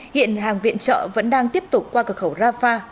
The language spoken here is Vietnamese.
hiện hàng viện trợ vẫn đang tiếp tục qua cửa khẩu rafah